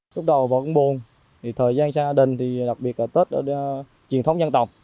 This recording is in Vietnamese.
lúc đầu vợ cũng buồn thời gian gia đình đặc biệt là tết truyền thống dân tộc